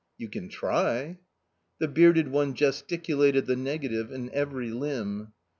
" You can try." The bearded one gesticulated the negative in every limb.